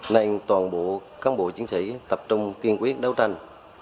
nên toàn bộ cán bộ chiến sĩ tập trung kiên quyết đấu tranh